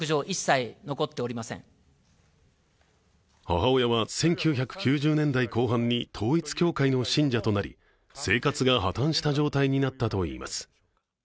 母親は１９９０年代後半に統一教会の信者となり、生活が破綻した状態になったといいます。